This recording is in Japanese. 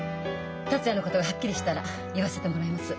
達也のことがはっきりしたら言わせてもらいます。